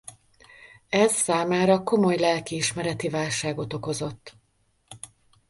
Ez számára komoly lelkiismereti válságot okozott.